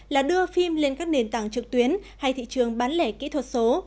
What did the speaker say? là đưa phim lên các nền tảng trực tuyến hay thị trường bán lẻ kỹ thuật số